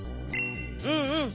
うんうん。